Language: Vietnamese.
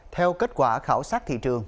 theo kết quả khảo sát thị trường